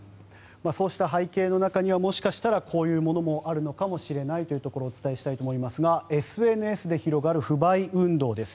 そうした背景の中にはもしかしたら、こういうものもあるのかもしれないというところをお伝えしたいと思いますがＳＮＳで広がる不買運動です。